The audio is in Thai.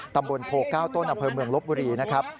ตำบลโพ๙ต้นอำเภอเมืองลบบุรีนะครับ